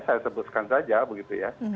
saya sebutkan saja begitu ya